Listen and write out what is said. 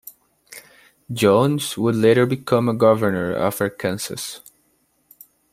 Jones would later become Governor of Arkansas.